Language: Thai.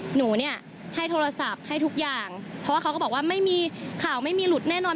หนูเนี่ยให้โทรศัพท์ให้ทุกอย่างเพราะว่าเขาก็บอกว่าไม่มีข่าวไม่มีหลุดแน่นอน